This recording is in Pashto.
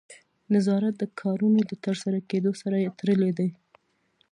نظارت د کارونو د ترسره کیدو سره تړلی دی.